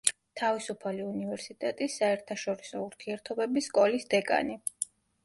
თავისუფალი უნივერსიტეტის საერთაშორისო ურთიერთობების სკოლის დეკანი.